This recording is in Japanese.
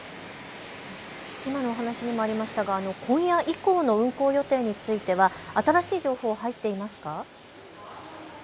今のお話にもありましたが今夜以降の運行については新しい情報、入っていますか。